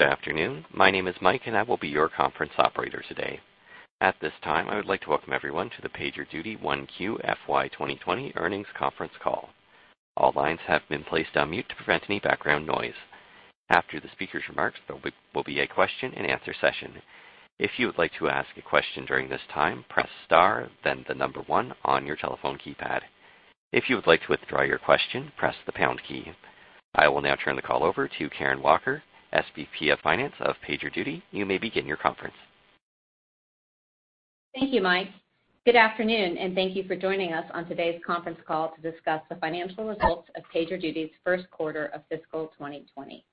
Good afternoon. My name is Mike, and I will be your conference operator today. At this time, I would like to welcome everyone to the PagerDuty 1Q FY 2020 earnings conference call. All lines have been placed on mute to prevent any background noise. After the speaker's remarks, there will be a question and answer session. If you would like to ask a question during this time, press star, then the number one on your telephone keypad. If you would like to withdraw your question, press the pound key. I will now turn the call over to Karen Walker, SVP of Finance of PagerDuty. You may begin your conference. Thank you, Mike. Good afternoon, and thank you for joining us on today's conference call to discuss the financial results of PagerDuty's first quarter of fiscal 2020.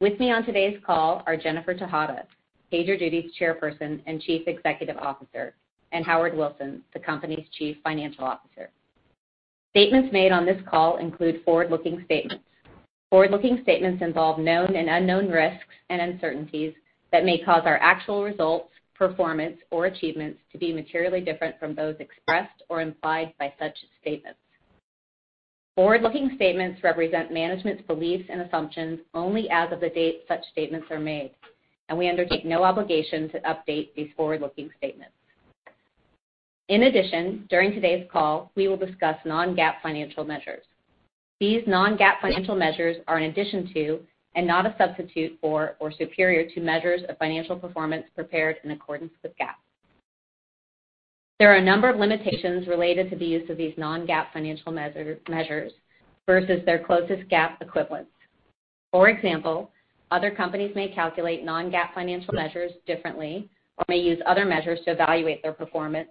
With me on today's call are Jennifer Tejada, PagerDuty's Chairperson and Chief Executive Officer, and Howard Wilson, the company's Chief Financial Officer. Statements made on this call include forward-looking statements. Forward-looking statements involve known and unknown risks and uncertainties that may cause our actual results, performance, or achievements to be materially different from those expressed or implied by such statements. Forward-looking statements represent management's beliefs and assumptions only as of the date such statements are made, and we undertake no obligation to update these forward-looking statements. In addition, during today's call, we will discuss non-GAAP financial measures. These non-GAAP financial measures are an addition to, and not a substitute for or superior to, measures of financial performance prepared in accordance with GAAP. There are a number of limitations related to the use of these non-GAAP financial measures versus their closest GAAP equivalents. For example, other companies may calculate non-GAAP financial measures differently or may use other measures to evaluate their performance,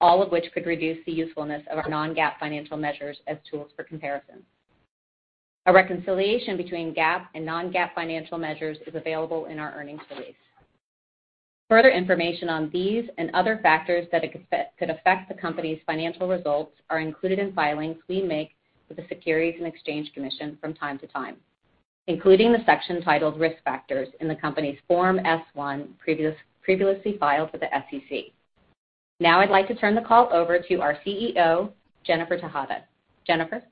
all of which could reduce the usefulness of our non-GAAP financial measures as tools for comparison. A reconciliation between GAAP and non-GAAP financial measures is available in our earnings release. Further information on these and other factors that could affect the company's financial results are included in filings we make with the Securities and Exchange Commission from time to time, including the section titled Risk Factors in the company's Form S-1 previously filed with the SEC. Now I'd like to turn the call over to our CEO, Jennifer Tejada. Jennifer?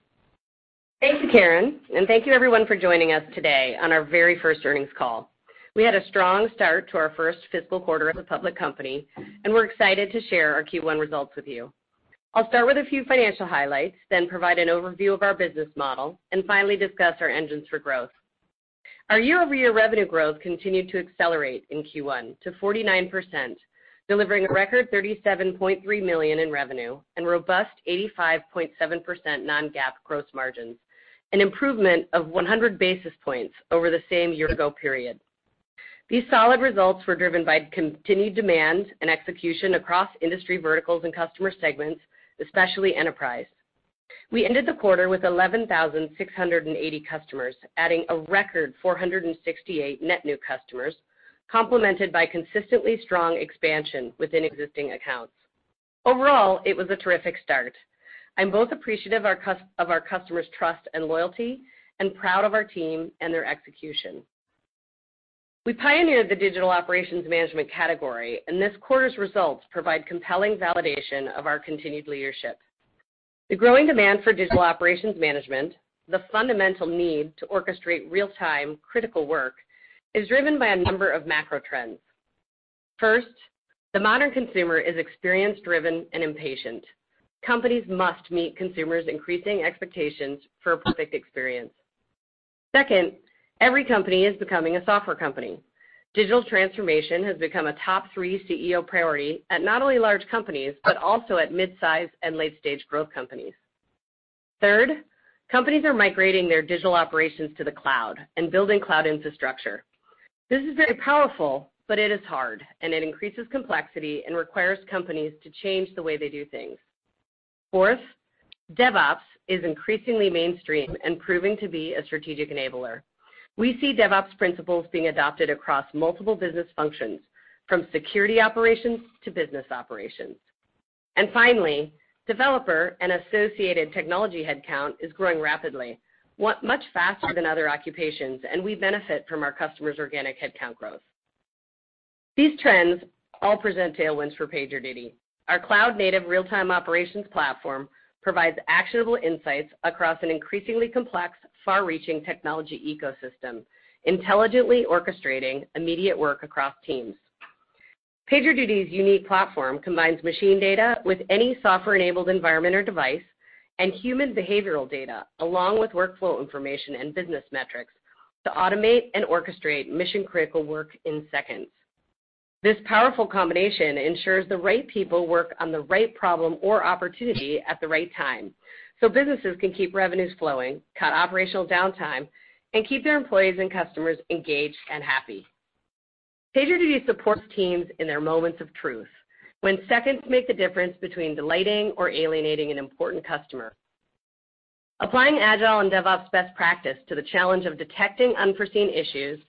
Thank you, Karen, and thank you everyone for joining us today on our very first earnings call. We had a strong start to our first fiscal quarter as a public company, and we're excited to share our Q1 results with you. I'll start with a few financial highlights, then provide an overview of our business model, and finally discuss our engines for growth. Our year-over-year revenue growth continued to accelerate in Q1 to 49%, delivering a record $37.3 million in revenue and robust 85.7% non-GAAP gross margins, an improvement of 100 basis points over the same year-ago period. These solid results were driven by continued demand and execution across industry verticals and customer segments, especially Enterprise. We ended the quarter with 11,680 customers, adding a record 468 net new customers, complemented by consistently strong expansion within existing accounts. Overall, it was a terrific start. I'm both appreciative of our customers' trust and loyalty, and proud of our team and their execution. We pioneered the digital operations management category, and this quarter's results provide compelling validation of our continued leadership. The growing demand for digital operations management, the fundamental need to orchestrate real-time critical work, is driven by a number of macro trends. First, the modern consumer is experience-driven and impatient. Companies must meet consumers' increasing expectations for a perfect experience. Second, every company is becoming a software company. Digital transformation has become a top-three CEO priority at not only large companies, but also at midsize and late-stage growth companies. Third, companies are migrating their digital operations to the cloud and building cloud infrastructure. This is very powerful, but it is hard, and it increases complexity and requires companies to change the way they do things. Fourth, DevOps is increasingly mainstream and proving to be a strategic enabler. We see DevOps principles being adopted across multiple business functions, from security operations to business operations. Finally, developer and associated technology headcount is growing rapidly, much faster than other occupations, and we benefit from our customers' organic headcount growth. These trends all present tailwinds for PagerDuty. Our cloud-native real-time operations platform provides actionable insights across an increasingly complex, far-reaching technology ecosystem, intelligently orchestrating immediate work across teams. PagerDuty's unique platform combines machine data with any software-enabled environment or device and human behavioral data, along with workflow information and business metrics to automate and orchestrate mission-critical work in seconds. This powerful combination ensures the right people work on the right problem or opportunity at the right time so businesses can keep revenues flowing, cut operational downtime, and keep their employees and customers engaged and happy. PagerDuty supports teams in their moments of truth when seconds make the difference between delighting or alienating an important customer. Applying agile and DevOps best practice to the challenge of detecting unforeseen issues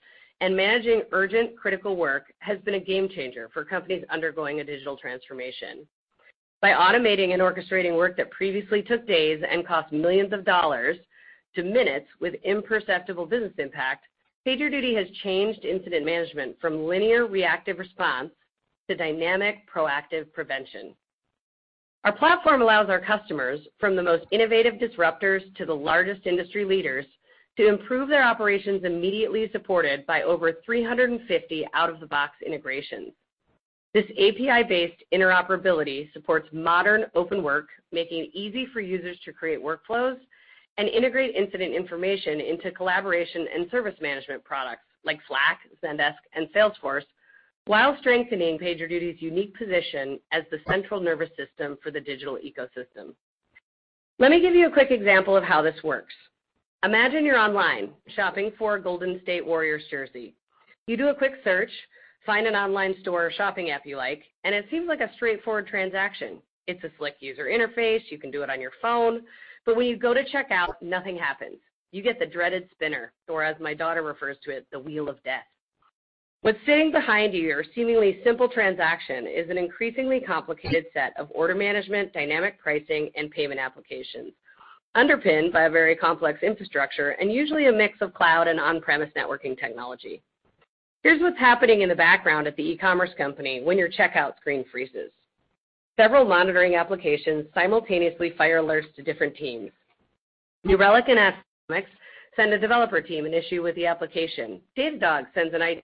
and managing urgent critical work has been a game-changer for companies undergoing a digital transformation. By automating and orchestrating work that previously took days and cost millions of dollars to minutes with imperceptible business impact, PagerDuty has changed incident management from linear reactive response to dynamic proactive prevention. Our platform allows our customers, from the most innovative disruptors to the largest industry leaders, to improve their operations immediately, supported by over 350 out-of-the-box integrations. This API-based interoperability supports modern open work, making it easy for users to create workflows and integrate incident information into collaboration and service management products like Slack, Zendesk, and Salesforce, while strengthening PagerDuty's unique position as the central nervous system for the digital ecosystem. Let me give you a quick example of how this works. Imagine you're online shopping for a Golden State Warriors jersey. You do a quick search, find an online store or shopping app you like, and it seems like a straightforward transaction. It's a slick user interface. You can do it on your phone. When you go to check out, nothing happens. You get the dreaded spinner, or as my daughter refers to it, the wheel of death. What's sitting behind your seemingly simple transaction is an increasingly complicated set of order management, dynamic pricing, and payment applications underpinned by a very complex infrastructure and usually a mix of cloud and on-premise networking technology. Here's what's happening in the background at the e-commerce company when your checkout screen freezes. Several monitoring applications simultaneously fire alerts to different teams. New Relic and AppDynamics send a developer team an issue with the application. Datadog sends an IT team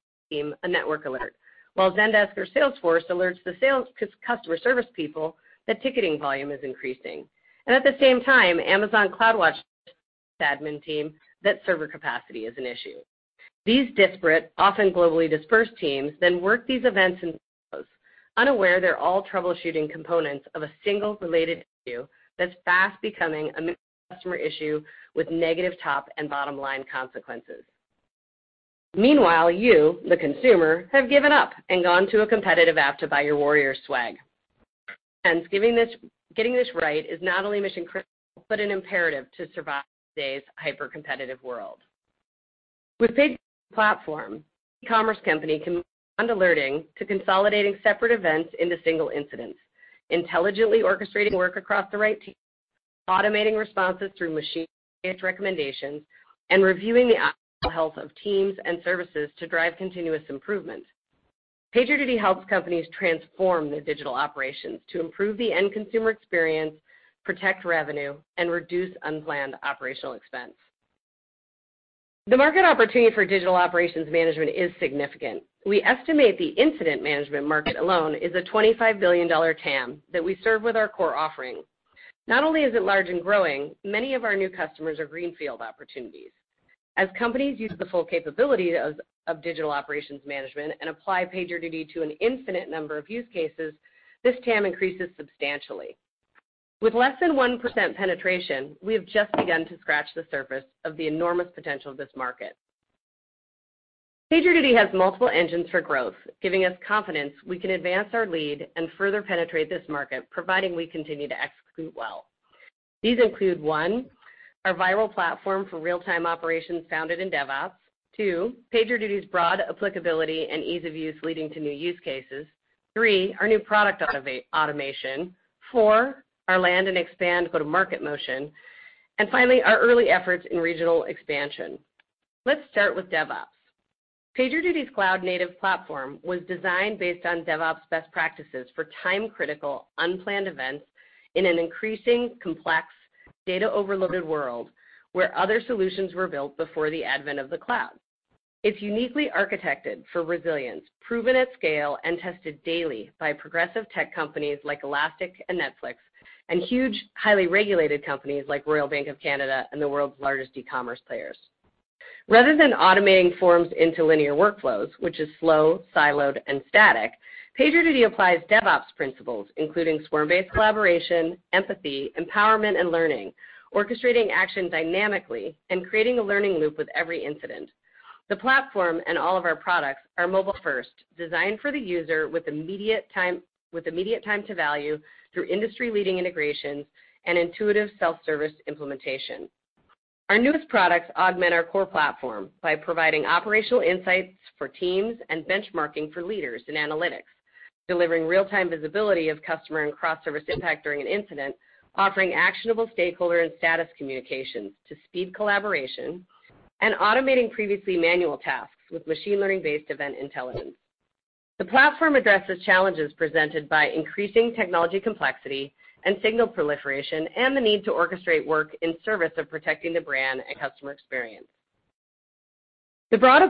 a network alert, while Zendesk or Salesforce alerts the sales customer service people that ticketing volume is increasing. At the same time, Amazon CloudWatch alerts the admin team that server capacity is an issue. These disparate, often globally dispersed teams work these events in silos, unaware they're all troubleshooting components of a single related issue that's fast becoming a major customer issue with negative top and bottom-line consequences. Meanwhile, you, the consumer, have given up and gone to a competitive app to buy your Warriors swag. Hence, getting this right is not only mission critical, but an imperative to survive today's hyper-competitive world. With PagerDuty platform, e-commerce company can move beyond alerting to consolidating separate events into single incidents, intelligently orchestrating work across the right team, automating responses through machine-based recommendations, and reviewing the optimal health of teams and services to drive continuous improvement. PagerDuty helps companies transform their digital operations to improve the end consumer experience, protect revenue, and reduce unplanned operational expense. The market opportunity for digital operations management is significant. We estimate the incident management market alone is a $25 billion TAM that we serve with our core offerings. It is large and growing, many of our new customers are greenfield opportunities. As companies use the full capability of digital operations management and apply PagerDuty to an infinite number of use cases, this TAM increases substantially. With less than 1% penetration, we have just begun to scratch the surface of the enormous potential of this market. PagerDuty has multiple engines for growth, giving us confidence we can advance our lead and further penetrate this market, providing we continue to execute well. These include, one, our viral platform for real-time operations founded in DevOps. Two, PagerDuty's broad applicability and ease of use leading to new use cases. Three, our new product automation. Four, our land and expand go-to-market motion. Finally, our early efforts in regional expansion. Let's start with DevOps. PagerDuty's cloud-native platform was designed based on DevOps best practices for time-critical, unplanned events in an increasing complex, data-overloaded world where other solutions were built before the advent of the cloud. It's uniquely architected for resilience, proven at scale, and tested daily by progressive tech companies like Elastic and Netflix, and huge, highly regulated companies like Royal Bank of Canada and the world's largest e-commerce players. Rather than automating forms into linear workflows, which is slow, siloed, and static, PagerDuty applies DevOps principles, including swarm-based collaboration, empathy, empowerment, and learning, orchestrating action dynamically, and creating a learning loop with every incident. The platform and all of our products are mobile first, designed for the user with immediate time to value through industry-leading integrations and intuitive self-service implementation. Our newest products augment our core platform by providing operational insights for teams and benchmarking for leaders in analytics, delivering real-time visibility of customer and cross-service impact during an incident, offering actionable stakeholder and status communications to speed collaboration, and automating previously manual tasks with machine learning-based Event Intelligence. The platform addresses challenges presented by increasing technology complexity and signal proliferation and the need to orchestrate work in service of protecting the brand and customer experience. The broad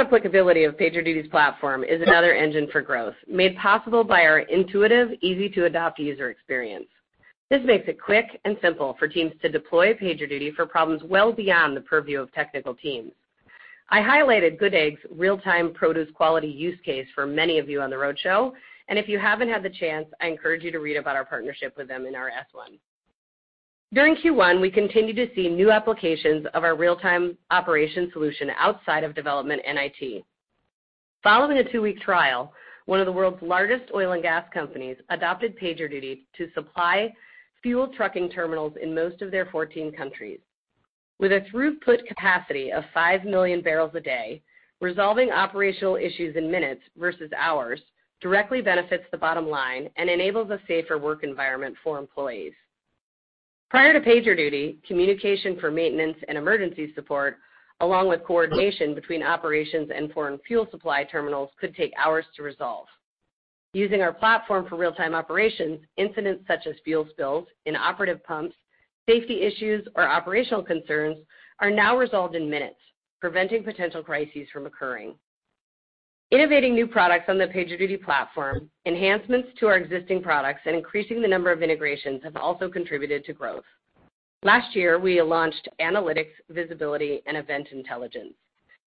applicability of PagerDuty's platform is another engine for growth, made possible by our intuitive, easy-to-adopt user experience. This makes it quick and simple for teams to deploy PagerDuty for problems well beyond the purview of technical teams. I highlighted Good Eggs' real-time produce quality use case for many of you on the roadshow, and if you haven't had the chance, I encourage you to read about our partnership with them in our S-1. During Q1, we continued to see new applications of our real-time operations solution outside of development and IT. Following a two-week trial, one of the world's largest oil and gas companies adopted PagerDuty to supply fuel trucking terminals in most of their 14 countries. With a throughput capacity of 5 million barrels a day, resolving operational issues in minutes versus hours directly benefits the bottom line and enables a safer work environment for employees. Prior to PagerDuty, communication for maintenance and emergency support, along with coordination between operations and foreign fuel supply terminals, could take hours to resolve. Using our platform for real-time operations, incidents such as fuel spills, inoperative pumps, safety issues, or operational concerns are now resolved in minutes, preventing potential crises from occurring. Innovating new products on the PagerDuty platform, enhancements to our existing products, and increasing the number of integrations have also contributed to growth. Last year, we launched Analytics, Visibility, and Event Intelligence.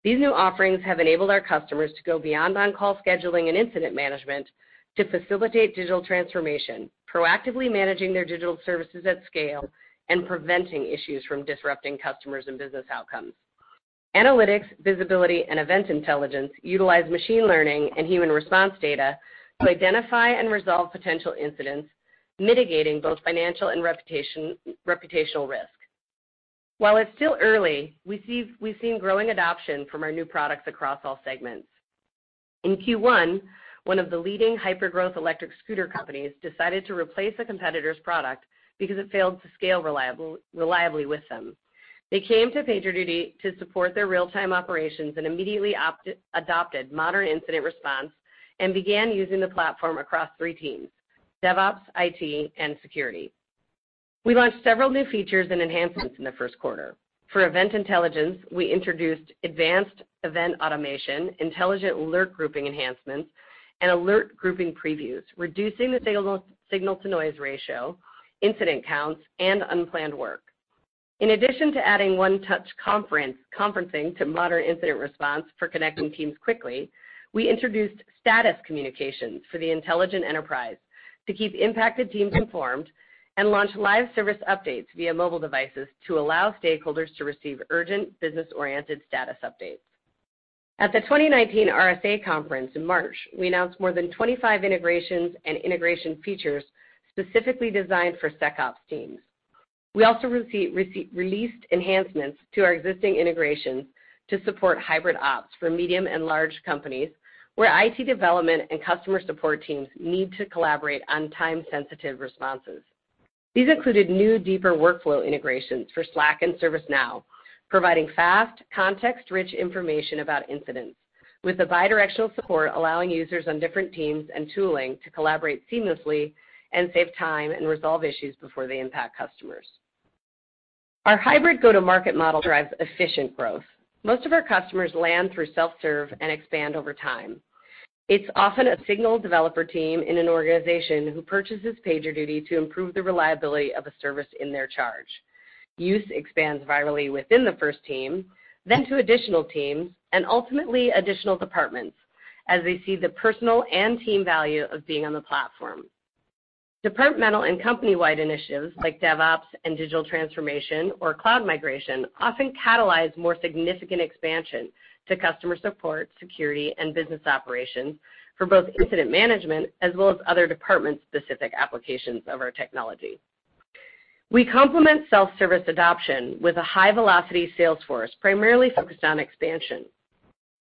These new offerings have enabled our customers to go beyond on-call scheduling and incident management to facilitate digital transformation, proactively managing their digital services at scale, and preventing issues from disrupting customers and business outcomes. Analytics, Visibility, and Event Intelligence utilize machine learning and human response data to identify and resolve potential incidents, mitigating both financial and reputational risk. While it's still early, we've seen growing adoption from our new products across all segments. In Q1, one of the leading hypergrowth electric scooter companies decided to replace a competitor's product because it failed to scale reliably with them. They came to PagerDuty to support their real-time operations and immediately adopted Modern Incident Response and began using the platform across three teams: DevOps, IT, and security. We launched several new features and enhancements in the first quarter. For Event Intelligence, we introduced Advanced Event Automation, Intelligent Alert Grouping Enhancements, and Alert Grouping Previews, reducing the signal-to-noise ratio, incident counts, and unplanned work. In addition to adding one-touch conferencing to Modern Incident Response for connecting teams quickly, we introduced status communications for the intelligent enterprise to keep impacted teams informed and launched live service updates via mobile devices to allow stakeholders to receive urgent business-oriented status updates. At the 2019 RSA Conference in March, we announced more than 25 integrations and integration features specifically designed for SecOps teams. We also released enhancements to our existing integrations to support HybridOps for medium and large companies, where IT development and customer support teams need to collaborate on time-sensitive responses. These included new deeper workflow integrations for Slack and ServiceNow, providing fast, context-rich information about incidents with a bidirectional support, allowing users on different teams and tooling to collaborate seamlessly and save time and resolve issues before they impact customers. Our hybrid go-to-market model drives efficient growth. Most of our customers land through self-serve and expand over time. It's often a single developer team in an organization who purchases PagerDuty to improve the reliability of a service in their charge. Use expands virally within the first team, then to additional teams, and ultimately additional departments, as they see the personal and team value of being on the platform. Departmental and company-wide initiatives like DevOps and digital transformation or cloud migration often catalyze more significant expansion to customer support, security, and business operations for both incident management as well as other department-specific applications of our technology. We complement self-service adoption with a high-velocity sales force primarily focused on expansion.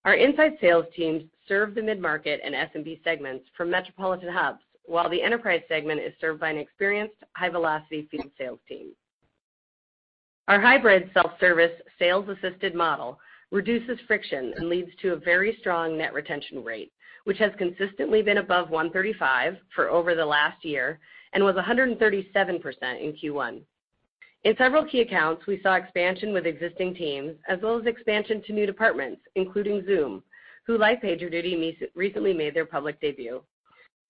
Our inside sales teams serve the mid-market and SMB segments for metropolitan hubs, while the Enterprise segment is served by an experienced high-velocity field sales team. Our hybrid self-service sales-assisted model reduces friction and leads to a very strong net retention rate, which has consistently been above 135% for over the last year and was 137% in Q1. In several key accounts, we saw expansion with existing teams as well as expansion to new departments, including Zoom, who, like PagerDuty, recently made their public debut.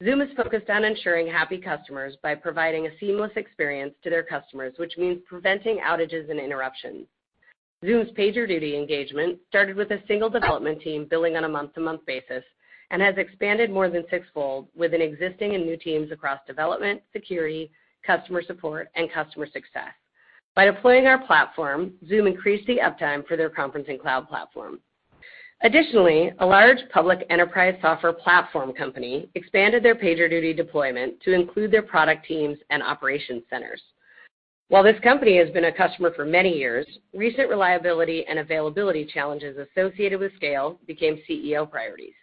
Zoom is focused on ensuring happy customers by providing a seamless experience to their customers, which means preventing outages and interruptions. Zoom's PagerDuty engagement started with a single development team billing on a month-to-month basis and has expanded more than sixfold within existing and new teams across development, security, customer support, and customer success. By deploying our platform, Zoom increased the uptime for their conferencing cloud platform. Additionally, a large public enterprise software platform company expanded their PagerDuty deployment to include their product teams and operation centers. While this company has been a customer for many years, recent reliability and availability challenges associated with scale became CEO priorities.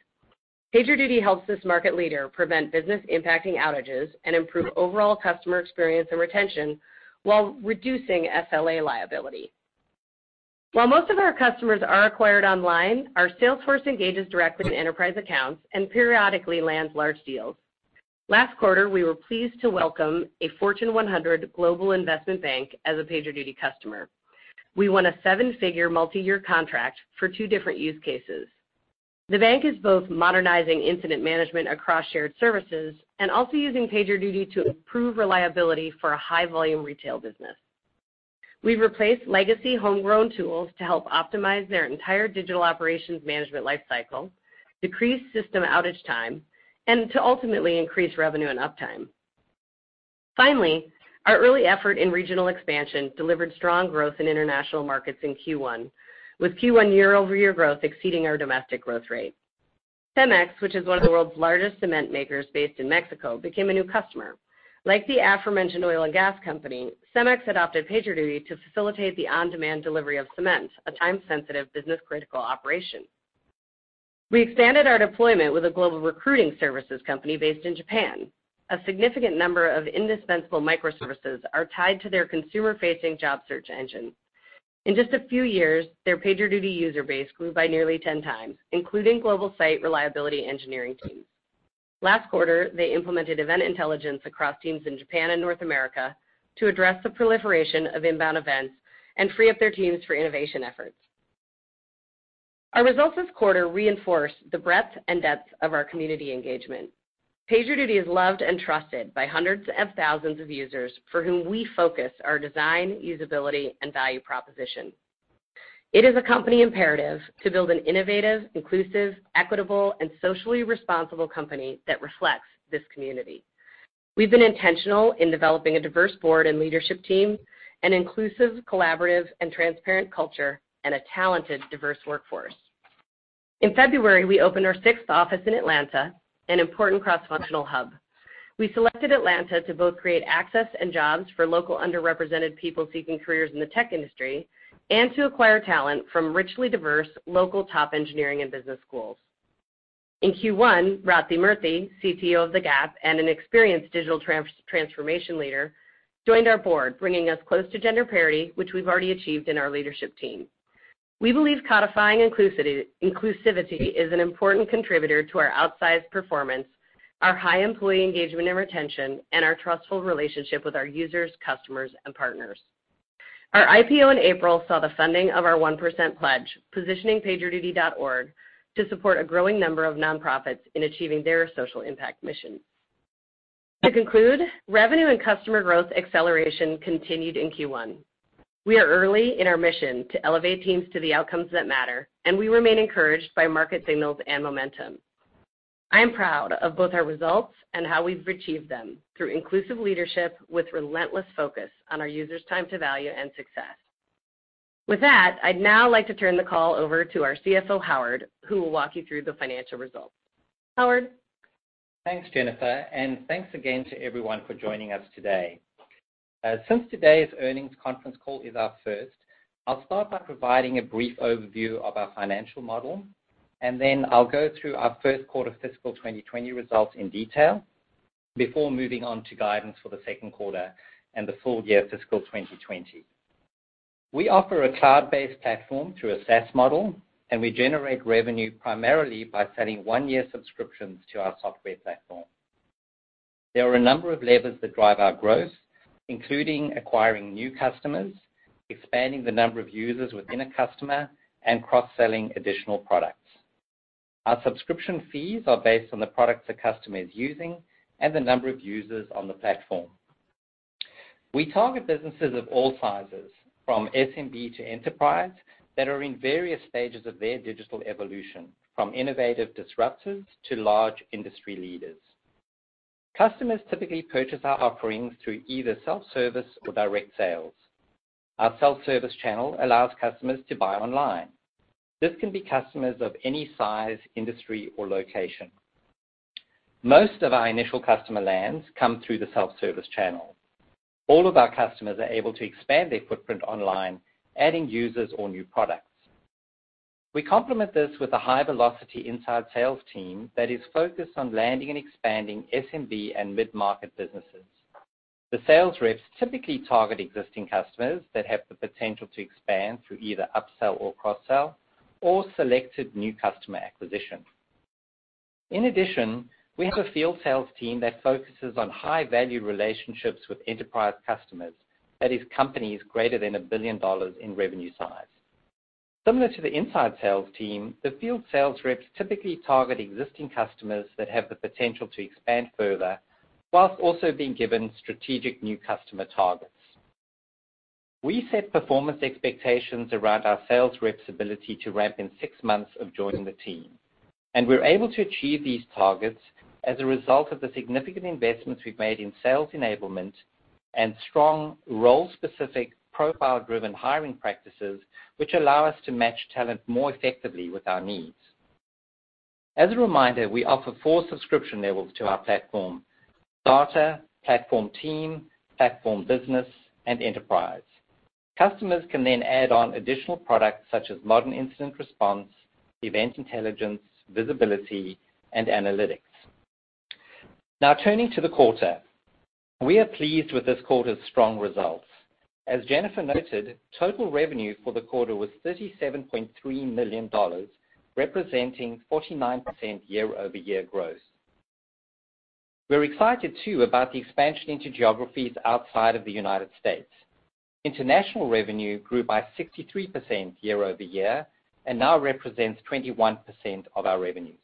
PagerDuty helps this market leader prevent business-impacting outages and improve overall customer experience and retention while reducing SLA liability. While most of our customers are acquired online, our sales force engages directly with enterprise accounts and periodically lands large deals. Last quarter, we were pleased to welcome a Fortune 100 global investment bank as a PagerDuty customer. We won a seven-figure, multi-year contract for two different use cases. The bank is both modernizing incident management across shared services and also using PagerDuty to improve reliability for a high-volume retail business. We've replaced legacy homegrown tools to help optimize their entire digital operations management lifecycle, decrease system outage time, and to ultimately increase revenue and uptime. Our early effort in regional expansion delivered strong growth in international markets in Q1, with Q1 year-over-year growth exceeding our domestic growth rate. Cemex, which is one of the world's largest cement makers based in Mexico, became a new customer. Like the aforementioned oil and gas company, Cemex adopted PagerDuty to facilitate the on-demand delivery of cement, a time-sensitive, business-critical operation. We expanded our deployment with a global recruiting services company based in Japan. A significant number of indispensable microservices are tied to their consumer-facing job search engine. In just a few years, their PagerDuty user base grew by nearly 10 times, including global site reliability engineering teams. Last quarter, they implemented Event Intelligence across teams in Japan and North America to address the proliferation of inbound events and free up their teams for innovation efforts. Our results this quarter reinforce the breadth and depth of our community engagement. PagerDuty is loved and trusted by hundreds of thousands of users for whom we focus our design, usability, and value proposition. It is a company imperative to build an innovative, inclusive, equitable, and socially responsible company that reflects this community. We've been intentional in developing a diverse board and leadership team, an inclusive, collaborative, and transparent culture, and a talented, diverse workforce. In February, we opened our sixth office in Atlanta, an important cross-functional hub. We selected Atlanta to both create access and jobs for local underrepresented people seeking careers in the tech industry, and to acquire talent from richly diverse local top engineering and business schools. In Q1, Rathi Murthy, CTO of the Gap and an experienced digital transformation leader, joined our board, bringing us close to gender parity, which we've already achieved in our leadership team. We believe codifying inclusivity is an important contributor to our outsized performance, our high employee engagement and retention, and our trustful relationship with our users, customers, and partners. Our IPO in April saw the funding of our 1% pledge, positioning PagerDuty.org to support a growing number of nonprofits in achieving their social impact mission. To conclude, revenue and customer growth acceleration continued in Q1. We are early in our mission to elevate teams to the outcomes that matter, and we remain encouraged by market signals and momentum. I am proud of both our results and how we've achieved them, through inclusive leadership with relentless focus on our users' time to value and success. With that, I'd now like to turn the call over to our CFO, Howard, who will walk you through the financial results. Howard? Thanks, Jennifer, and thanks again to everyone for joining us today. Since today's earnings conference call is our first, I'll start by providing a brief overview of our financial model, and then I'll go through our first quarter fiscal 2020 results in detail before moving on to guidance for the second quarter and the full year fiscal 2020. We offer a cloud-based platform through a SaaS model, and we generate revenue primarily by selling one-year subscriptions to our software platform. There are a number of levers that drive our growth, including acquiring new customers, expanding the number of users within a customer, and cross-selling additional products. Our subscription fees are based on the products a customer is using and the number of users on the platform. We target businesses of all sizes, from SMB to Enterprise, that are in various stages of their digital evolution, from innovative disruptors to large industry leaders. Customers typically purchase our offerings through either self-service or direct sales. Our self-service channel allows customers to buy online. This can be customers of any size, industry, or location. Most of our initial customer lands come through the self-service channel. All of our customers are able to expand their footprint online, adding users or new products. We complement this with a high-velocity inside sales team that is focused on landing and expanding SMB and mid-market businesses. The sales reps typically target existing customers that have the potential to expand through either upsell or cross-sell or selected new customer acquisition. In addition, we have a field sales team that focuses on high-value relationships with Enterprise customers. That is, companies greater than $1 billion in revenue size. Similar to the inside sales team, the field sales reps typically target existing customers that have the potential to expand further, whilst also being given strategic new customer targets. We set performance expectations around our sales reps' ability to ramp in 6 months of joining the team, and we're able to achieve these targets as a result of the significant investments we've made in sales enablement and strong role-specific profile-driven hiring practices, which allow us to match talent more effectively with our needs. As a reminder, we offer 4 subscription levels to our platform: Starter, Platform Team, Platform Business, and Enterprise. Customers can then add on additional products such as Modern Incident Response, Event Intelligence, Visibility, and Analytics. Turning to the quarter. We are pleased with this quarter's strong results. As Jennifer noted, total revenue for the quarter was $37.3 million, representing 49% year-over-year growth. We're excited too about the expansion into geographies outside of the United States. International revenue grew by 63% year-over-year and now represents 21% of our revenues.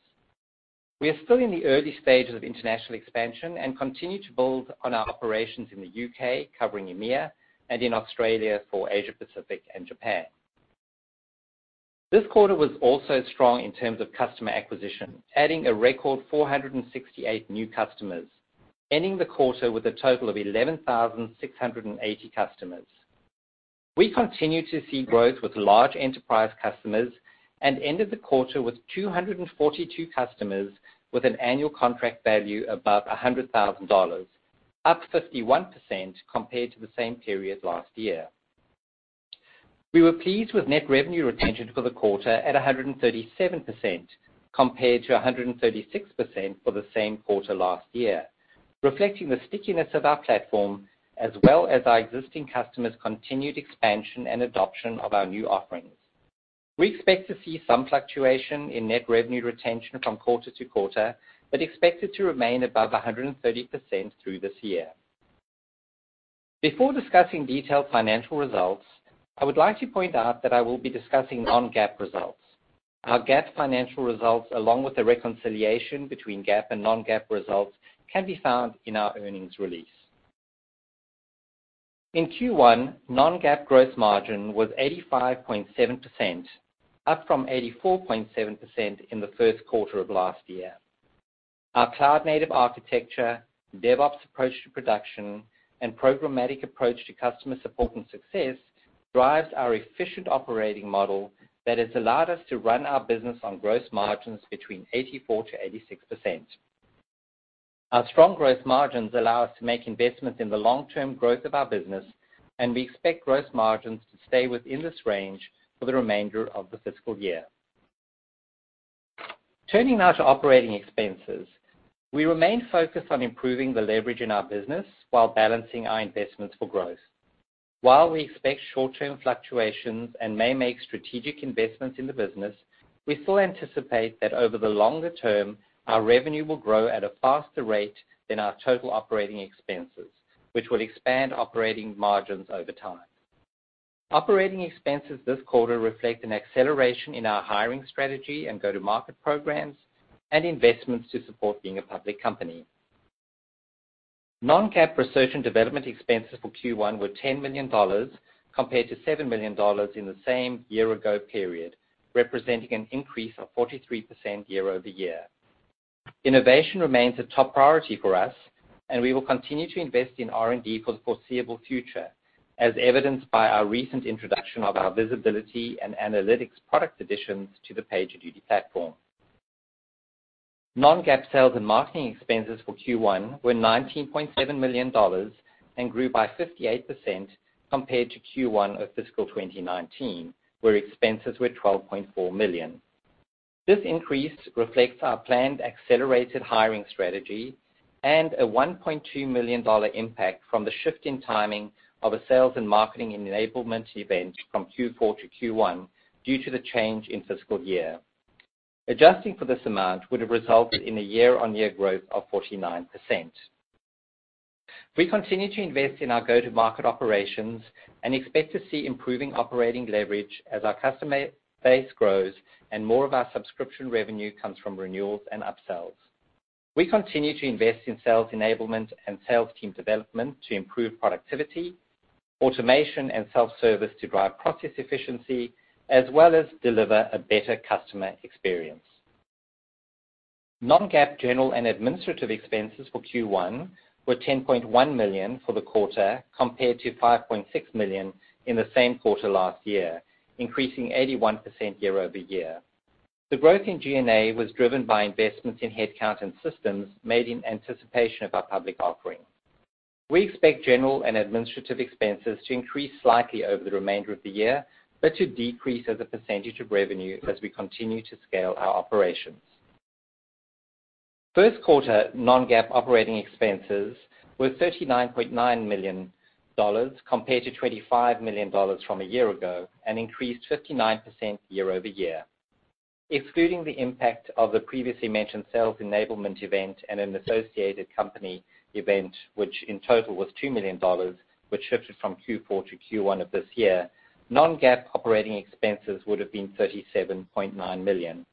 We are still in the early stages of international expansion and continue to build on our operations in the U.K., covering EMEA, and in Australia for Asia Pacific and Japan. This quarter was also strong in terms of customer acquisition, adding a record 468 new customers, ending the quarter with a total of 11,680 customers. We continue to see growth with large enterprise customers and ended the quarter with 242 customers with an annual contract value above $100,000, up 51% compared to the same period last year. We were pleased with net revenue retention for the quarter at 137%, compared to 136% for the same quarter last year, reflecting the stickiness of our platform, as well as our existing customers' continued expansion and adoption of our new offerings. We expect to see some fluctuation in net revenue retention from quarter to quarter, but expect it to remain above 130% through this year. Before discussing detailed financial results, I would like to point out that I will be discussing non-GAAP results. Our GAAP financial results, along with the reconciliation between GAAP and non-GAAP results, can be found in our earnings release. In Q1, non-GAAP gross margin was 85.7%, up from 84.7% in the first quarter of last year. Our cloud-native architecture, DevOps approach to production, and programmatic approach to customer support and success drives our efficient operating model that has allowed us to run our business on gross margins between 84%-86%. Our strong growth margins allow us to make investments in the long-term growth of our business, and we expect gross margins to stay within this range for the remainder of the fiscal year. Turning to operating expenses. We remain focused on improving the leverage in our business while balancing our investments for growth. While we expect short-term fluctuations and may make strategic investments in the business, we still anticipate that over the longer term, our revenue will grow at a faster rate than our total operating expenses, which will expand operating margins over time. Operating expenses this quarter reflect an acceleration in our hiring strategy and go-to-market programs and investments to support being a public company. Non-GAAP research and development expenses for Q1 were $10 million, compared to $7 million in the same year-ago period, representing an increase of 43% year-over-year. Innovation remains a top priority for us. We will continue to invest in R&D for the foreseeable future, as evidenced by our recent introduction of our Visibility and Analytics product additions to the PagerDuty platform. Non-GAAP sales and marketing expenses for Q1 were $19.7 million. Grew by 58% compared to Q1 of fiscal 2019, where expenses were $12.4 million. This increase reflects our planned accelerated hiring strategy and a $1.2 million impact from the shift in timing of a sales and marketing enablement event from Q4 to Q1 due to the change in fiscal year. Adjusting for this amount would have resulted in a year-on-year growth of 49%. We continue to invest in our go-to-market operations and expect to see improving operating leverage as our customer base grows and more of our subscription revenue comes from renewals and upsells. We continue to invest in sales enablement and sales team development to improve productivity, automation, and self-service to drive process efficiency, as well as deliver a better customer experience. Non-GAAP general and administrative expenses for Q1 were $10.1 million for the quarter, compared to $5.6 million in the same quarter last year, increasing 81% year-over-year. The growth in G&A was driven by investments in headcount and systems made in anticipation of our public offering. We expect general and administrative expenses to increase slightly over the remainder of the year, but to decrease as a percentage of revenue as we continue to scale our operations. First quarter non-GAAP operating expenses were $39.9 million compared to $25 million from a year ago. Increased 59% year-over-year. Excluding the impact of the previously mentioned sales enablement event and an associated company event, which in total was $2 million, which shifted from Q4 to Q1 of this year, non-GAAP operating expenses would have been $37.9 million.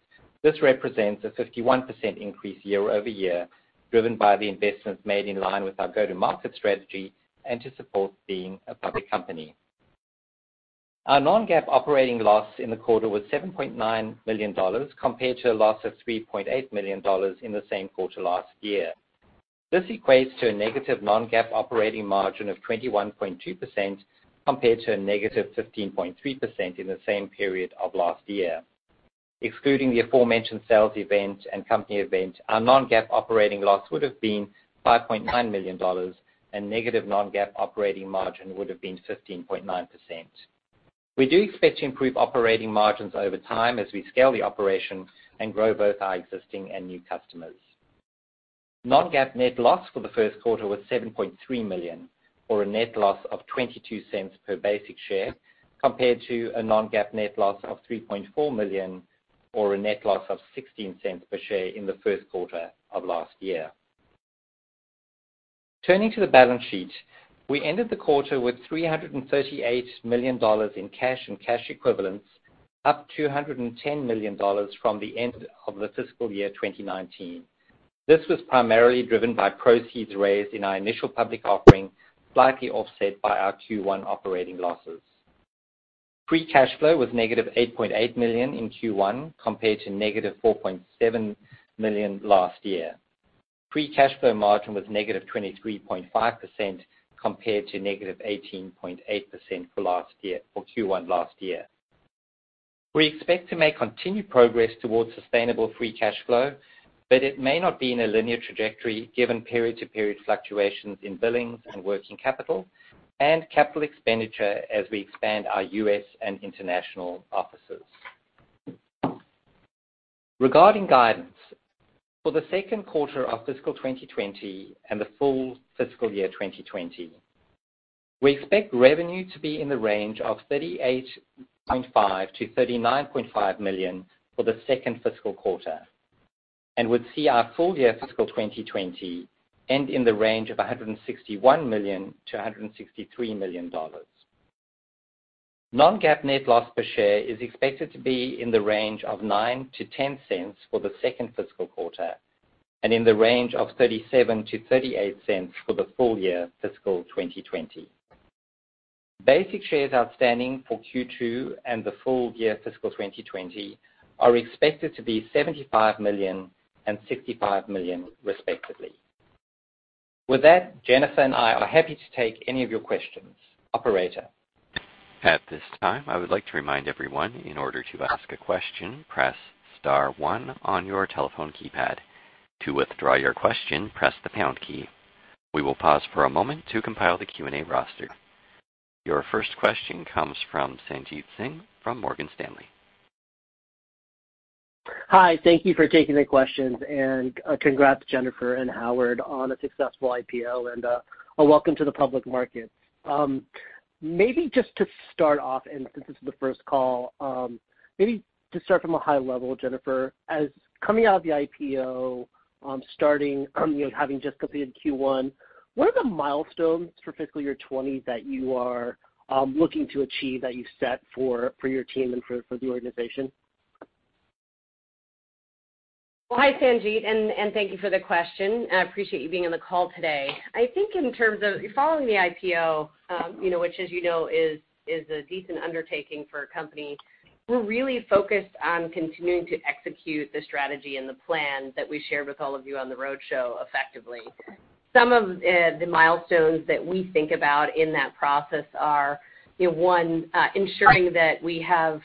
This represents a 51% increase year-over-year, driven by the investments made in line with our go-to-market strategy and to support being a public company. Our non-GAAP operating loss in the quarter was $7.9 million, compared to a loss of $3.8 million in the same quarter last year. This equates to a negative non-GAAP operating margin of 21.2%, compared to a negative 15.3% in the same period of last year. Excluding the aforementioned sales event and company event, our non-GAAP operating loss would have been $5.9 million. Negative non-GAAP operating margin would have been 15.9%. We do expect to improve operating margins over time as we scale the operation and grow both our existing and new customers. Non-GAAP net loss for the first quarter was $7.3 million, or a net loss of $0.22 per basic share, compared to a non-GAAP net loss of $3.4 million or a net loss of $0.16 per share in the first quarter of last year. Turning to the balance sheet. We ended the quarter with $338 million in cash and cash equivalents, up $210 million from the end of the fiscal year 2019. This was primarily driven by proceeds raised in our initial public offering, slightly offset by our Q1 operating losses. Free cash flow was negative $8.8 million in Q1, compared to negative $4.7 million last year. Free cash flow margin was negative 23.5%, compared to negative 18.8% for Q1 last year. We expect to make continued progress towards sustainable free cash flow, but it may not be in a linear trajectory given period-to-period fluctuations in billings and working capital and capital expenditure as we expand our U.S. and international offices. Regarding guidance, for the second quarter of fiscal 2020 and the full fiscal year 2020, we expect revenue to be in the range of $38.5 million-$39.5 million for the second fiscal quarter, and would see our full year fiscal 2020 end in the range of $161 million-$163 million. Non-GAAP net loss per share is expected to be in the range of $0.09-$0.10 for the second fiscal quarter, and in the range of $0.37-$0.38 for the full year fiscal 2020. Basic shares outstanding for Q2 and the full year fiscal 2020 are expected to be 75 million and 65 million respectively. With that, Jennifer and I are happy to take any of your questions. Operator? At this time, I would like to remind everyone, in order to ask a question, press star one on your telephone keypad. To withdraw your question, press the pound key. We will pause for a moment to compile the Q&A roster. Your first question comes from Sanjit Singh from Morgan Stanley. Hi. Thank you for taking the questions and congrats, Jennifer and Howard, on a successful IPO and a welcome to the public market. Maybe just to start off, and since this is the first call, maybe to start from a high level, Jennifer, as coming out of the IPO, starting, having just completed Q1, what are the milestones for fiscal year 2020 that you are looking to achieve, that you set for your team and for the organization? Well, hi, Sanjit, thank you for the question. I appreciate you being on the call today. I think in terms of following the IPO, which as you know is a decent undertaking for a company, we're really focused on continuing to execute the strategy and the plan that we shared with all of you on the roadshow effectively. Some of the milestones that we think about in that process are, one, ensuring that we have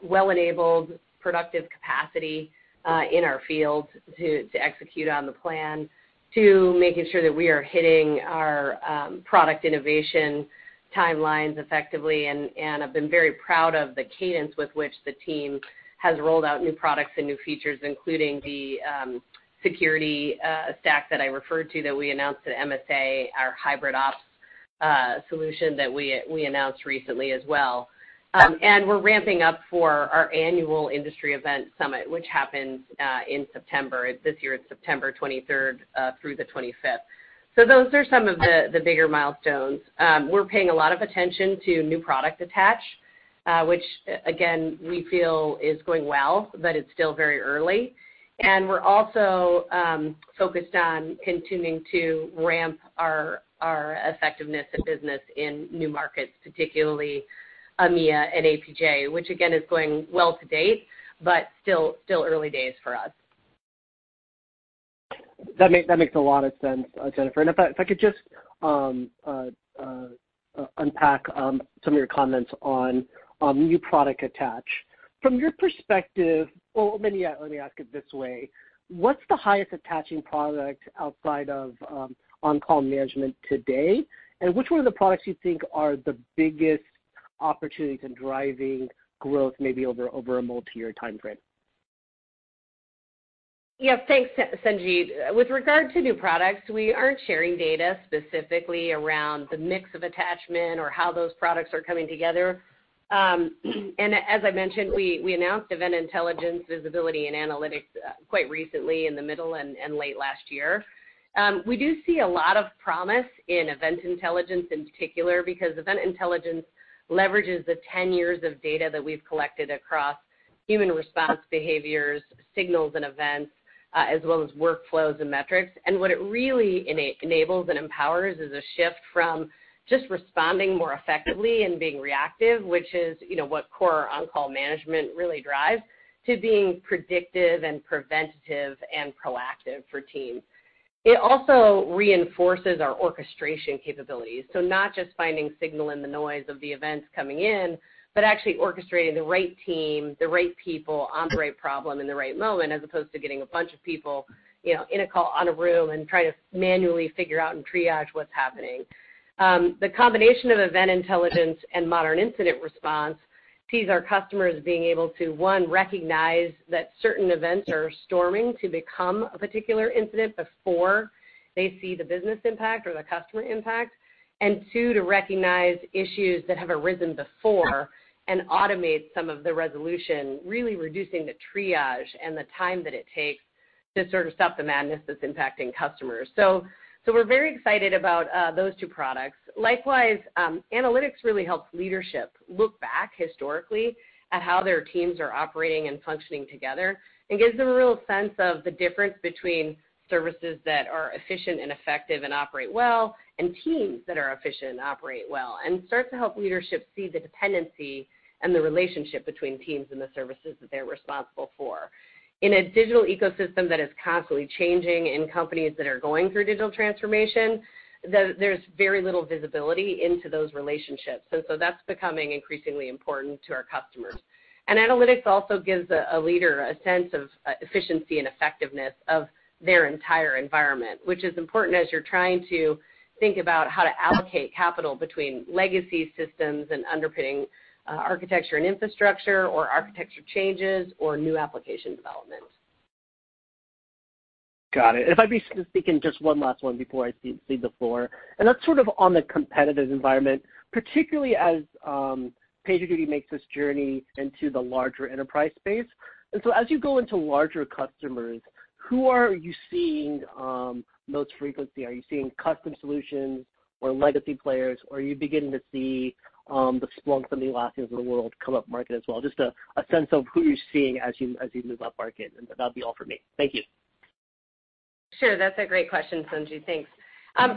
well-enabled, productive capacity, in our fields to execute on the plan. Two, making sure that we are hitting our product innovation timelines effectively, I've been very proud of the cadence with which the team has rolled out new products and new features, including the security stack that I referred to that we announced at RSA, our HybridOps solution that we announced recently as well. We're ramping up for our annual industry event summit, which happens in September. This year, it's September 23rd through the 25th. Those are some of the bigger milestones. We're paying a lot of attention to new product attach, which again, we feel is going well, but it's still very early. We're also focused on continuing to ramp our effectiveness and business in new markets, particularly EMEA and APJ, which again, is going well to date, but still early days for us. That makes a lot of sense, Jennifer. If I could just unpack some of your comments on new product attach. Maybe let me ask it this way, what's the highest attaching product outside of on-call management today, and which one of the products do you think are the biggest opportunities in driving growth, maybe over a multi-year timeframe? Yeah. Thanks, Sanjit. With regard to new products, we aren't sharing data specifically around the mix of attachment or how those products are coming together. As I mentioned, we announced Event Intelligence Visibility and Analytics quite recently in the middle and late last year. We do see a lot of promise in Event Intelligence in particular because Event Intelligence leverages the 10 years of data that we've collected across human response behaviors, signals, and events, as well as workflows and metrics. What it really enables and empowers is a shift from just responding more effectively and being reactive, which is what core on-call management really drives, to being predictive and preventative and proactive for teams. It also reinforces our orchestration capabilities. Not just finding signal in the noise of the events coming in, but actually orchestrating the right team, the right people on the right problem in the right moment, as opposed to getting a bunch of people in a call, on a room and try to manually figure out and triage what's happening. The combination of Event Intelligence and Modern Incident Response sees our customers being able to, one, recognize that certain events are storming to become a particular incident before they see the business impact or the customer impact. And two, to recognize issues that have arisen before and automate some of the resolution, really reducing the triage and the time that it takes to sort of stop the madness that's impacting customers. We're very excited about those two products. Likewise, analytics really helps leadership look back historically at how their teams are operating and functioning together, and gives them a real sense of the difference between services that are efficient and effective and operate well, and teams that are efficient and operate well. It starts to help leadership see the dependency and the relationship between teams and the services that they're responsible for. In a digital ecosystem that is constantly changing in companies that are going through digital transformation, there's very little visibility into those relationships. That's becoming increasingly important to our customers. Analytics also gives a leader a sense of efficiency and effectiveness of their entire environment, which is important as you're trying to think about how to allocate capital between legacy systems and underpinning architecture and infrastructure, or architecture changes, or new application development. Got it. If I'd be speaking just one last one before I cede the floor, and that's sort of on the competitive environment, particularly as PagerDuty makes this journey into the larger enterprise space. As you go into larger customers, who are you seeing most frequency? Are you seeing custom solutions or legacy players, or are you beginning to see the Splunk and the Atlassian of the world come up market as well? Just a sense of who you're seeing as you move up market. That'd be all for me. Thank you. Sure. That's a great question, Sanjit. Thanks.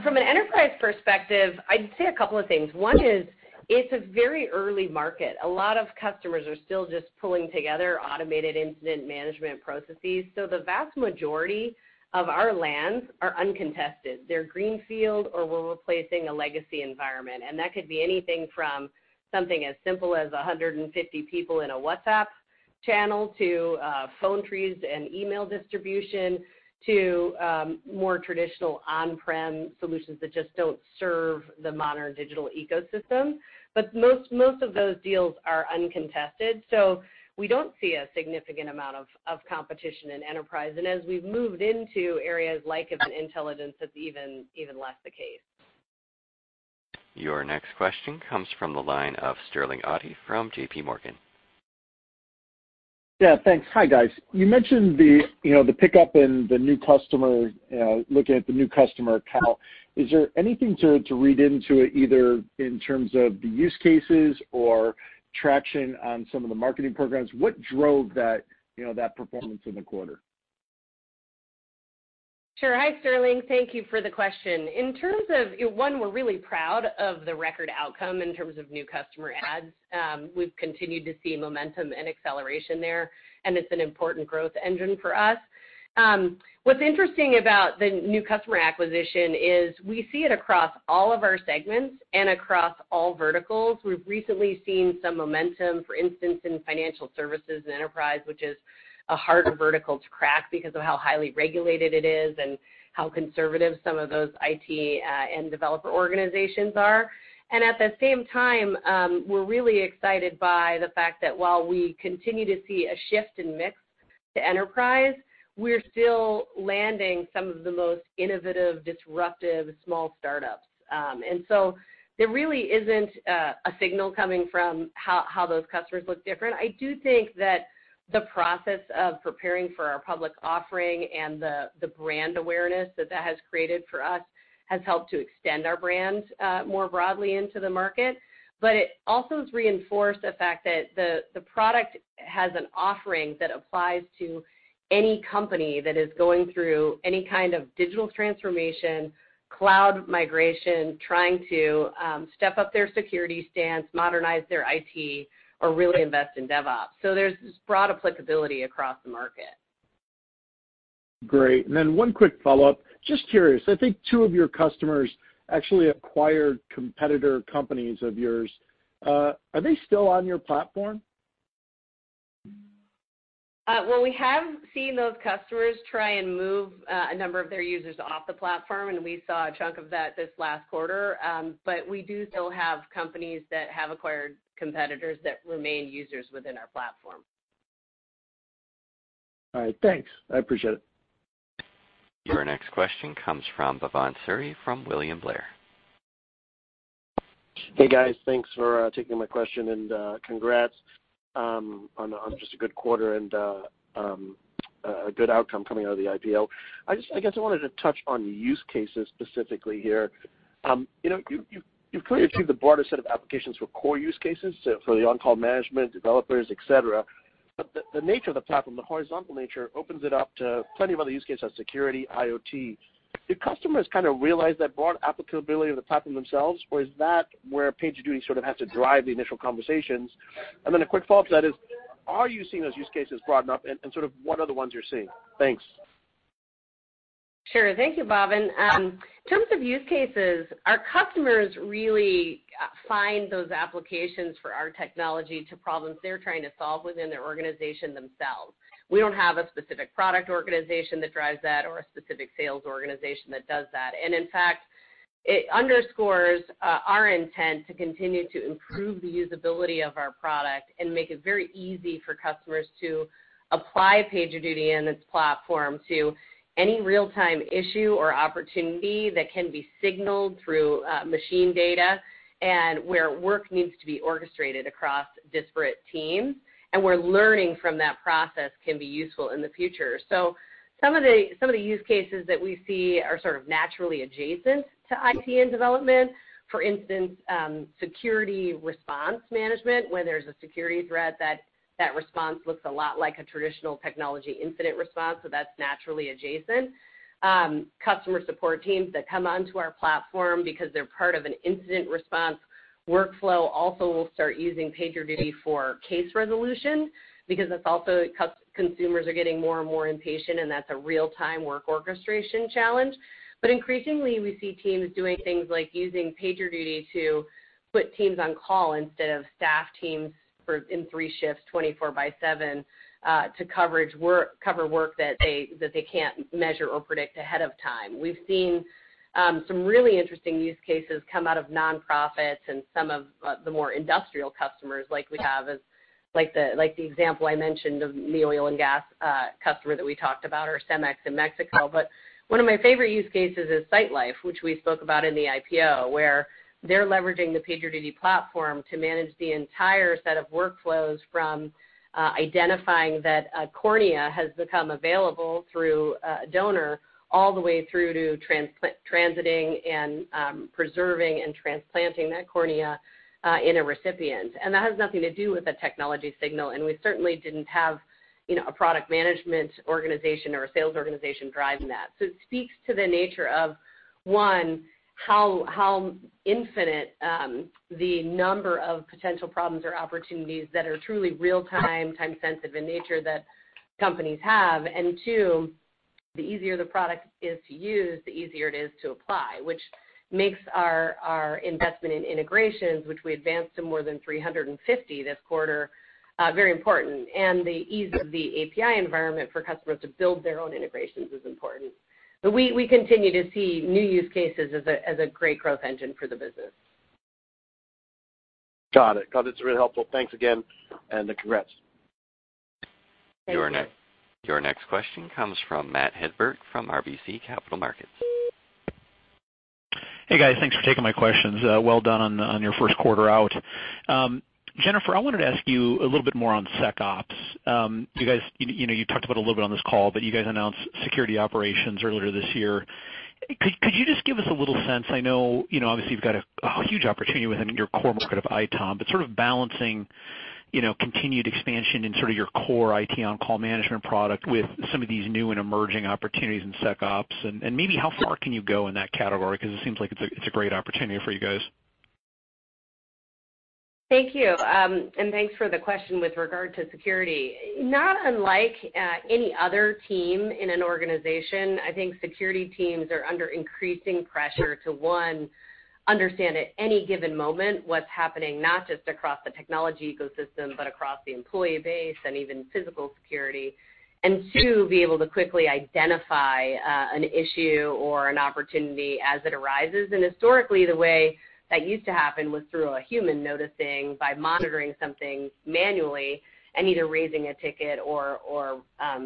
From an enterprise perspective, I'd say a couple of things. One is, it's a very early market. A lot of customers are still just pulling together automated incident management processes. The vast majority of our lands are uncontested. They're greenfield or we're replacing a legacy environment, and that could be anything from something as simple as 150 people in a WhatsApp channel to phone trees and email distribution to more traditional on-prem solutions that just don't serve the modern digital ecosystem. Most of those deals are uncontested, so we don't see a significant amount of competition in enterprise. As we've moved into areas like Event Intelligence, that's even less the case. Your next question comes from the line of Sterling Auty from J.P. Morgan. Yeah, thanks. Hi, guys. You mentioned the pickup in the new customer, looking at the new customer account. Is there anything to read into it, either in terms of the use cases or traction on some of the marketing programs? What drove that performance in the quarter? Sure. Hi, Sterling. Thank you for the question. One, we're really proud of the record outcome in terms of new customer adds. We've continued to see momentum and acceleration there, and it's an important growth engine for us. What's interesting about the new customer acquisition is we see it across all of our segments and across all verticals. We've recently seen some momentum, for instance, in financial services and Enterprise, which is a harder vertical to crack because of how highly regulated it is and how conservative some of those IT and developer organizations are. At the same time, we're really excited by the fact that while we continue to see a shift in mix to Enterprise, we're still landing some of the most innovative, disruptive small startups. There really isn't a signal coming from how those customers look different. I do think that the process of preparing for our public offering and the brand awareness that that has created for us has helped to extend our brand more broadly into the market. It also has reinforced the fact that the product has an offering that applies to any company that is going through any kind of digital transformation, cloud migration, trying to step up their security stance, modernize their IT, or really invest in DevOps. There's this broad applicability across the market. Great. Then one quick follow-up. Just curious, I think two of your customers actually acquired competitor companies of yours. Are they still on your platform? Well, we have seen those customers try and move a number of their users off the platform, we saw a chunk of that this last quarter. We do still have companies that have acquired competitors that remain users within our platform. All right, thanks. I appreciate it. Your next question comes from Bhavan Suri from William Blair. Hey, guys. Thanks for taking my question. Congrats on just a good quarter and a good outcome coming out of the IPO. I guess I wanted to touch on use cases specifically here. You've clearly achieved the broader set of applications for core use cases, so for the on-call management, developers, et cetera. The nature of the platform, the horizontal nature, opens it up to plenty of other use cases like security, IoT. Do customers kind of realize that broad applicability of the platform themselves, or is that where PagerDuty sort of has to drive the initial conversations? A quick follow-up to that is, are you seeing those use cases broadening up, and sort of what are the ones you're seeing? Thanks. Sure. Thank you, Bhavan. In terms of use cases, our customers really find those applications for our technology to problems they're trying to solve within their organization themselves. We don't have a specific product organization that drives that or a specific sales organization that does that. In fact, it underscores our intent to continue to improve the usability of our product and make it very easy for customers to apply PagerDuty and its platform to any real-time issue or opportunity that can be signaled through machine data and where work needs to be orchestrated across disparate teams, and where learning from that process can be useful in the future. Some of the use cases that we see are sort of naturally adjacent to IT and development. For instance, security response management, where there's a security threat, that response looks a lot like a traditional technology incident response, so that's naturally adjacent. Customer support teams that come onto our platform because they're part of an incident response workflow also will start using PagerDuty for case resolution because that's also consumers are getting more and more impatient, and that's a real-time work orchestration challenge. Increasingly, we see teams doing things like using PagerDuty to put teams on call instead of staff teams in 3 shifts, 24 by 7, to cover work that they can't measure or predict ahead of time. We've seen some really interesting use cases come out of nonprofits and some of the more industrial customers like we have, like the example I mentioned of the oil and gas customer that we talked about, or Cemex in Mexico. One of my favorite use cases is SightLife, which we spoke about in the IPO, where they're leveraging the PagerDuty platform to manage the entire set of workflows from identifying that a cornea has become available through a donor, all the way through to transiting and preserving and transplanting that cornea in a recipient. That has nothing to do with a technology signal, and we certainly didn't have a product management organization or a sales organization driving that. It speaks to the nature of, one, how infinite the number of potential problems or opportunities that are truly real-time, time-sensitive in nature that companies have. Two, the easier the product is to use, the easier it is to apply, which makes our investment in integrations, which we advanced to more than 350 this quarter, very important. The ease of the API environment for customers to build their own integrations is important. We continue to see new use cases as a great growth engine for the business. Got it. It's really helpful. Thanks again, and congrats. Thank you. Your next question comes from Matthew Hedberg from RBC Capital Markets. Hey, guys. Thanks for taking my questions. Well done on your first quarter out. Jennifer, I wanted to ask you a little bit more on SecOps. You talked about a little bit on this call. You guys announced security operations earlier this year. Could you just give us a little sense? I know, obviously, you've got a huge opportunity within your core market of ITOM, sort of balancing continued expansion in sort of your core IT on-call management product with some of these new and emerging opportunities in SecOps and maybe how far can you go in that category? It seems like it's a great opportunity for you guys. Thank you. Thanks for the question with regard to security. Not unlike any other team in an organization, I think security teams are under increasing pressure to, one, understand at any given moment what's happening, not just across the technology ecosystem, but across the employee base and even physical security. Two, be able to quickly identify an issue or an opportunity as it arises. Historically, the way that used to happen was through a human noticing by monitoring something manually and either raising a ticket or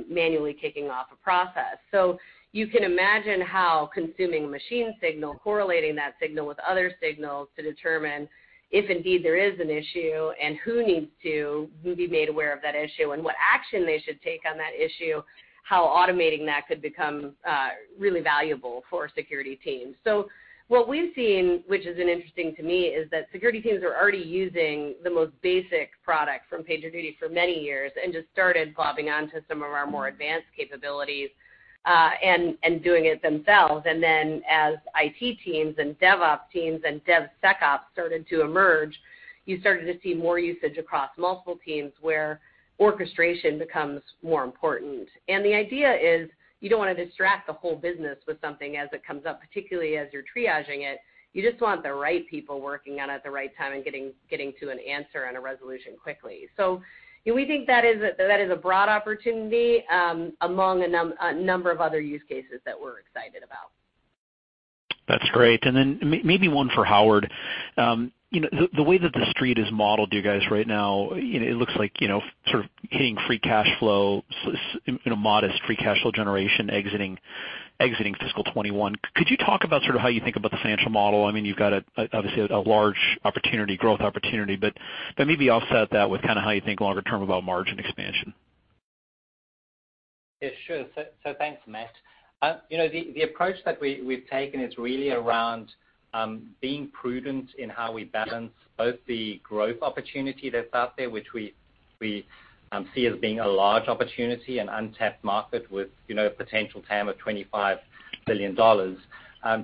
manually kicking off a process. You can imagine how consuming a machine signal, correlating that signal with other signals to determine if indeed there is an issue and who needs to be made aware of that issue and what action they should take on that issue, how automating that could become really valuable for security teams. What we've seen, which is interesting to me, is that security teams are already using the most basic product from PagerDuty for many years and just started globbing onto some of our more advanced capabilities and doing it themselves. As IT teams and DevOps teams and DevSecOps started to emerge, you started to see more usage across multiple teams where orchestration becomes more important. The idea is you don't want to distract the whole business with something as it comes up, particularly as you're triaging it. You just want the right people working on it at the right time and getting to an answer and a resolution quickly. We think that is a broad opportunity among a number of other use cases that we're excited about. That's great. Maybe one for Howard. The way that the street is modeled, you guys, right now, it looks like sort of hitting free cash flow, modest free cash flow generation exiting fiscal 2021. Could you talk about sort of how you think about the financial model? You've got, obviously, a large growth opportunity, maybe offset that with kind of how you think longer term about margin expansion. Thanks, Matt. The approach that we've taken is really around being prudent in how we balance both the growth opportunity that's out there, which we see as being a large opportunity, an untapped market with a potential TAM of $25 billion,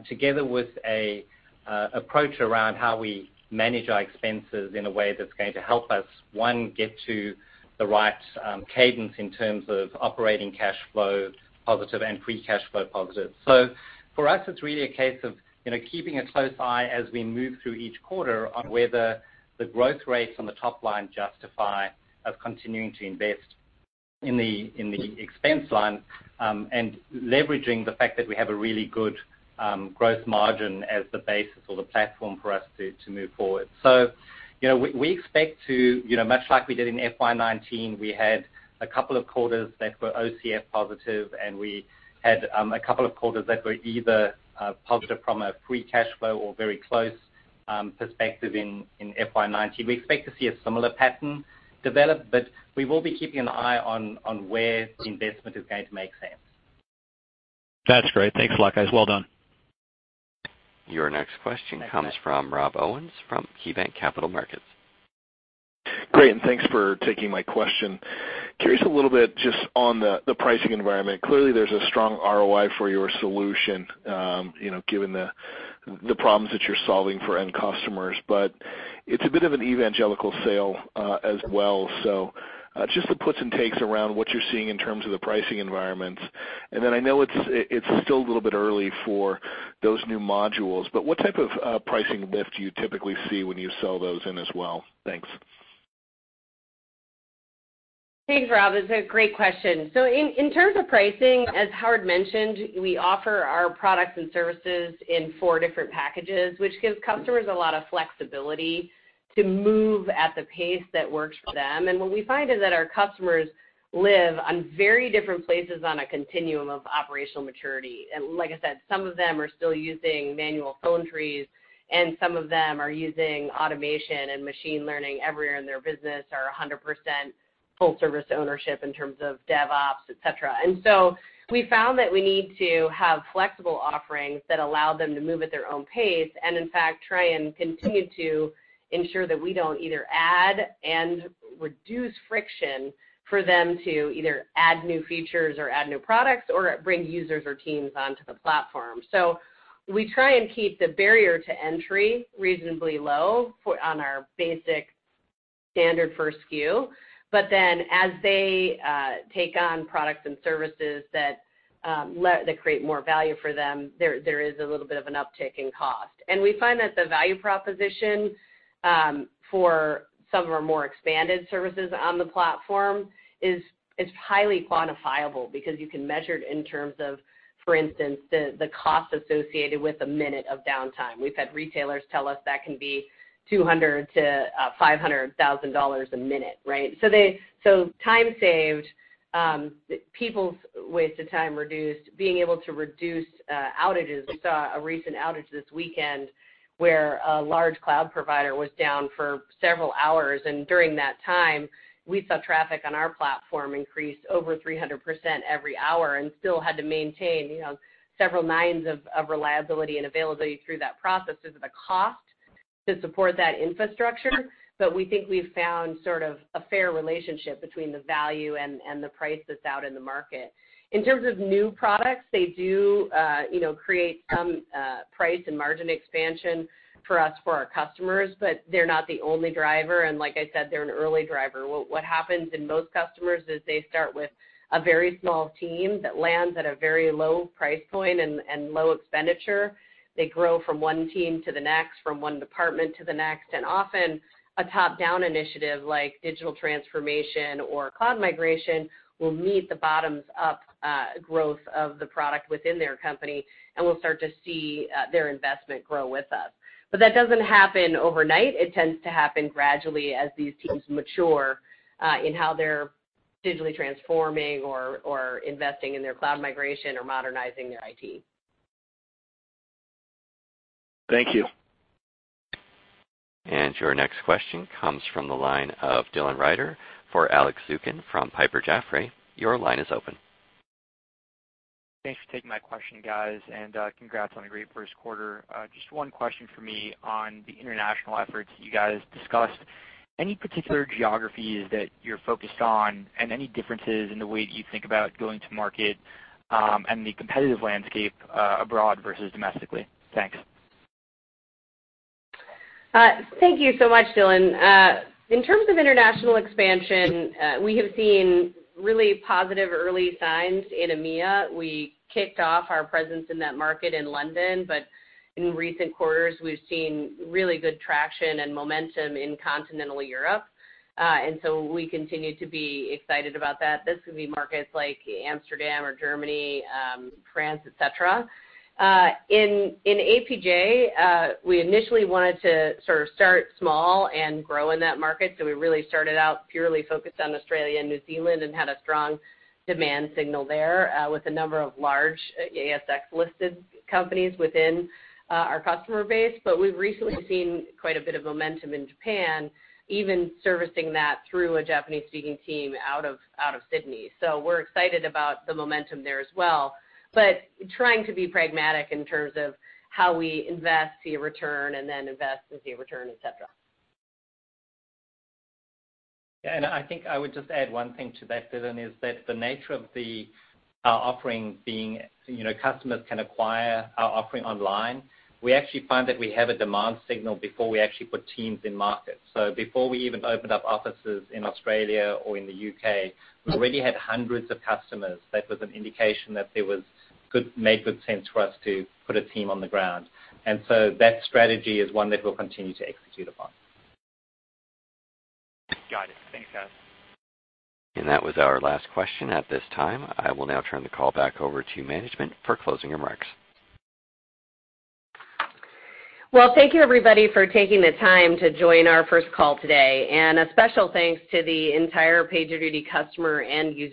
together with an approach around how we manage our expenses in a way that's going to help us, one, get to the right cadence in terms of operating cash flow positive and free cash flow positive. For us, it's really a case of keeping a close eye as we move through each quarter on whether the growth rates on the top line justify us continuing to invest in the expense line and leveraging the fact that we have a really good growth margin as the basis or the platform for us to move forward. We expect to, much like we did in FY 2019, we had a couple of quarters that were OCF positive, and we had a couple of quarters that were either positive from a free cash flow or very close perspective in FY 2019. We expect to see a similar pattern develop, we will be keeping an eye on where the investment is going to make sense. That's great. Thanks a lot, guys. Well done. Your next question comes from Rob Owens from KeyBanc Capital Markets. Thanks for taking my question. Curious a little bit just on the pricing environment. Clearly, there's a strong ROI for your solution given the problems that you're solving for end customers, but it's a bit of an evangelical sale as well. Just the puts and takes around what you're seeing in terms of the pricing environments. Then I know it's still a little bit early for those new modules, but what type of pricing lift do you typically see when you sell those in as well? Thanks. Thanks, Rob. It's a great question. In terms of pricing, as Howard mentioned, we offer our products and services in four different packages, which gives customers a lot of flexibility to move at the pace that works for them. What we find is that our customers live on very different places on a continuum of operational maturity. Like I said, some of them are still using manual phone trees, and some of them are using automation and machine learning everywhere in their business or 100% full service ownership in terms of DevOps, et cetera. We found that we need to have flexible offerings that allow them to move at their own pace, and in fact, try and continue to ensure that we don't either add and reduce friction for them to either add new features or add new products or bring users or teams onto the platform. We try and keep the barrier to entry reasonably low on our basic standard for SKU. As they take on products and services that create more value for them, there is a little bit of an uptick in cost. We find that the value proposition for some of our more expanded services on the platform is highly quantifiable because you can measure it in terms of, for instance, the cost associated with a minute of downtime. We've had retailers tell us that can be $200,000-$500,000 a minute, right? Time saved, people's waste of time reduced, being able to reduce outages. We saw a recent outage this weekend where a large cloud provider was down for several hours, and during that time, we saw traffic on our platform increase over 300% every hour and still had to maintain several nines of reliability and availability through that process. There's a cost to support that infrastructure, we think we've found sort of a fair relationship between the value and the price that's out in the market. In terms of new products, they do create some price and margin expansion for us, for our customers, but they're not the only driver, like I said, they're an early driver. What happens in most customers is they start with a very small team that lands at a very low price point and low expenditure. They grow from one team to the next, from one department to the next. Often a top-down initiative like digital transformation or cloud migration will meet the bottoms-up growth of the product within their company, and we'll start to see their investment grow with us. That doesn't happen overnight. It tends to happen gradually as these teams mature in how they're digitally transforming or investing in their cloud migration or modernizing their IT. Thank you. Your next question comes from the line of Dylan Ryder for Alex Zukin from Piper Jaffray. Your line is open. Thanks for taking my question, guys, congrats on a great first quarter. Just one question from me on the international efforts you guys discussed. Any particular geographies that you're focused on, any differences in the way that you think about going to market and the competitive landscape abroad versus domestically? Thanks. Thank you so much, Dylan. In terms of international expansion, we have seen really positive early signs in EMEA. We kicked off our presence in that market in London, but in recent quarters, we've seen really good traction and momentum in continental Europe. We continue to be excited about that. This could be markets like Amsterdam or Germany, France, et cetera. In APJ, we initially wanted to sort of start small and grow in that market, so we really started out purely focused on Australia and New Zealand and had a strong demand signal there with a number of large ASX-listed companies within our customer base. We've recently seen quite a bit of momentum in Japan, even servicing that through a Japanese-speaking team out of Sydney. We're excited about the momentum there as well, but trying to be pragmatic in terms of how we invest, see a return, and then invest and see a return, et cetera. I think I would just add one thing to that, Dylan, is that the nature of our offering being customers can acquire our offering online. We actually find that we have a demand signal before we actually put teams in market. Before we even opened up offices in Australia or in the U.K., we already had hundreds of customers. That was an indication that it made good sense for us to put a team on the ground. That strategy is one that we'll continue to execute upon. Got it. Thanks, guys. That was our last question at this time. I will now turn the call back over to management for closing remarks. Well, thank you everybody for taking the time to join our first call today. A special thanks to the entire PagerDuty customer and user.